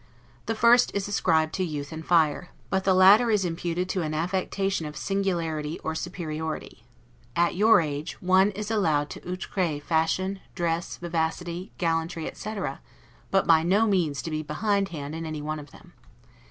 The first is ascribed to youth and fire; but the latter is imputed to an affectation of singularity or superiority. At your age, one is allowed to 'outrer' fashion, dress, vivacity, gallantry, etc., but by no means to be behindhand in any one of them.